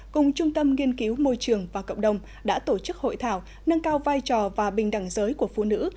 cùng trung tâm nghiên cứu môi trường và cộng đồng đã tổ chức hội thảo nâng cao vai trò và bình đẳng giới của phụ nữ